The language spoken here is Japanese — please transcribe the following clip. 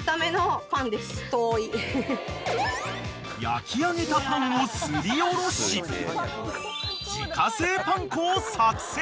［焼き上げたパンをすりおろし自家製パン粉を作製］